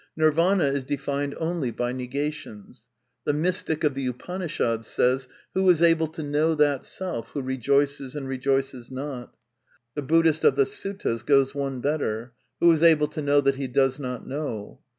Nirvana is defined only by negations. The mystic of the Upanishads says :" Who is able to know that Self who rejoices and rejoices not ?" The Buddhist of the Suttas goes one better. Who is able to know that he does not know